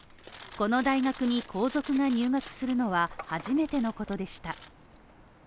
この大学に皇族が入学するのは初めてのことでした。